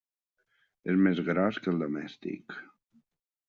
És més gros que el domèstic.